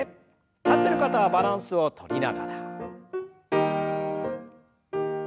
立ってる方はバランスをとりながら。